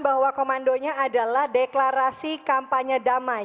bahwa komandonya adalah deklarasi kampanye damai